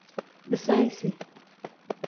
Biyaasi.